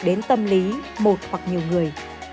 đến tâm lý một hoặc nhiều người